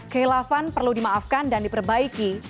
kehilafan perlu dimaafkan dan diperbaiki